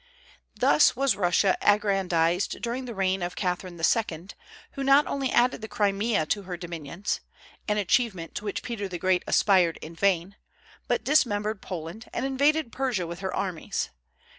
Thus was Russia aggrandized during the reign of Catherine II., who not only added the Crimea to her dominions, an achievement to which Peter the Great aspired in vain, but dismembered Poland, and invaded Persia with her armies.